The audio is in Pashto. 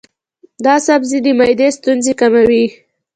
دا سبزی د معدې ستونزې کموي.